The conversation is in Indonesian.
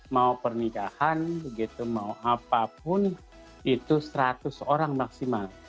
mau pernikahan begitu mau apapun itu seratus orang maksimal